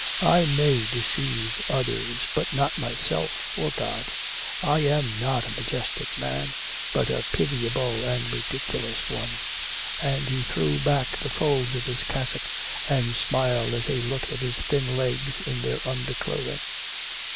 I may deceive others, but not myself or God. I am not a majestic man, but a pitiable and ridiculous one!' And he threw back the folds of his cassock and smiled as he looked at his thin legs in their underclothing.